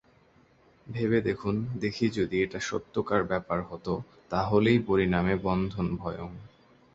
ভেবে দেখুন দেখি যদি এটা সত্যকার ব্যাপার হত তা হলেই পরিণামে বন্ধনভয়ং!